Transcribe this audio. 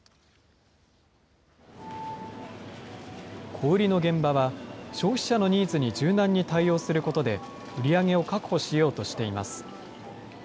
小売りの現場は、消費者のニーズに柔軟に対応することで、売り上げを確保しようとしています。